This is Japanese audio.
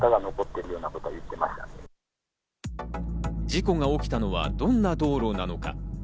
事故が起きたのはどんな道路なのか。